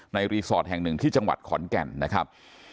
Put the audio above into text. รีสอร์ทแห่งหนึ่งที่จังหวัดขอนแก่นนะครับ